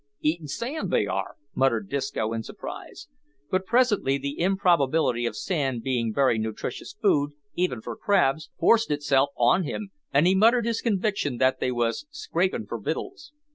"Eatin' sand they are!" muttered Disco in surprise; but presently the improbability of sand being very nutritious food, even for crabs, forced itself on him, and he muttered his conviction that they "was scrapin' for wittles."